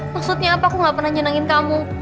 maksudnya apa aku gak pernah nyenangin kamu